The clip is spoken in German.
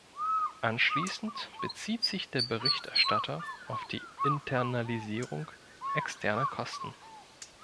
Anschließend bezieht sich der Berichterstatter auf die Internalisierung externer Kosten.